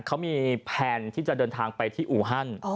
เขามีแพลนที่จะเดินทางไปที่อูฮัน